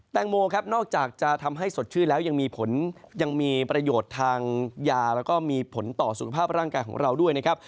แตงโมครับนอกจากจะทำให้สดชื่นแล้วยังมีผลยังมีประโยชน์ทางยาแล้วก็มีผลต่อสุขภาพร่างกายของเราด้วยนะครับ